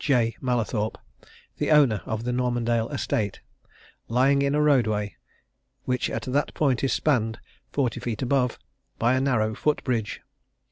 J. Mallathorpe, the owner of the Normandale Estate, lying in a roadway which at that point is spanned, forty feet above, by a narrow foot bridge.